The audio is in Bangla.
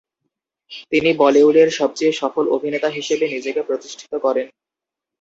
তিনি বলিউডের সবচেয়ে সফল অভিনেতা হিসেবে নিজেকে প্রতিষ্ঠিত করেন।